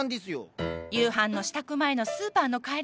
夕飯の支度前のスーパーの帰り道。